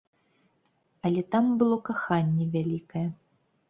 Але там было каханне вялікае.